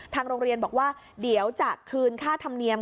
ทางโรงเรียนบอกว่าเดี๋ยวจะคืนค่าธรรมเนียม